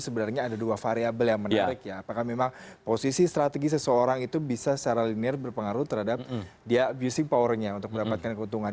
sehingga lagi seseorang itu bisa secara linear berpengaruh terhadap dia abusing powernya untuk mendapatkan keuntungan